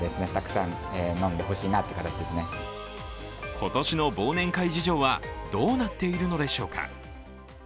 今年の忘年会事情はどうなっているのでしょうか。